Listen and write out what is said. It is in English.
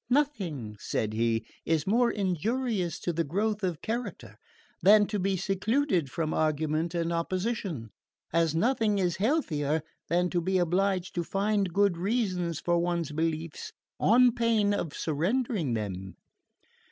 "Nothing," said he, "is more injurious to the growth of character than to be secluded from argument and opposition; as nothing is healthier than to be obliged to find good reasons for one's beliefs on pain of surrendering them."